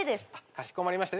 かしこまりました。